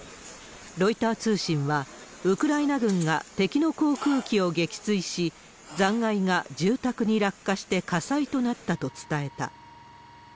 ロイター通信は、ウクライナ軍が敵の航空機を撃墜し、残骸が住宅に落下して火災となったと伝えた。